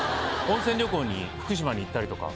温泉旅行に福島に行ったりとか。